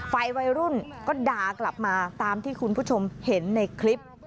วัยรุ่นก็ด่ากลับมาตามที่คุณผู้ชมเห็นในคลิป